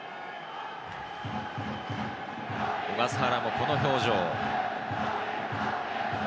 小笠原もこの表情。